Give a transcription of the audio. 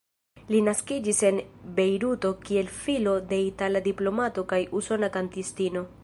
Li naskiĝis en Bejruto kiel filo de itala diplomato kaj usona kantistino.